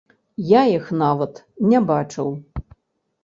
Я іх нават не бачыў!